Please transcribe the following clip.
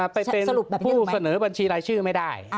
ไปเป็นผู้เสนอบัญชีรายชื่อไม่ได้